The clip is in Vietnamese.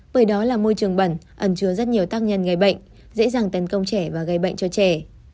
bởi đó là môi trường bẩn ẩn chứa rất nhiều tác nhân gây bệnh dễ dàng tấn công trẻ và gây bệnh cho trẻ